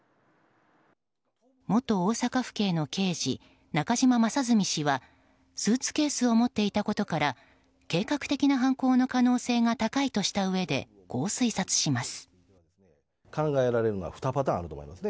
元大阪府警の刑事中島正純氏はスーツケースを持っていたことから計画的な犯行の可能性が高いとしたうえでこう推察します。